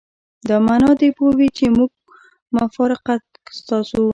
دا معنی دې پوه وي چې موږ مفارقت ستاسو.